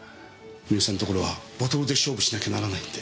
三好さんのところはボトルで勝負しなきゃならないんで。